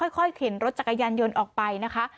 เข็นรถจักรยานยนต์ออกไปนะคะ